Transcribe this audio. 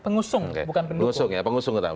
pengusung bukan pendukung pengusung ya pengusung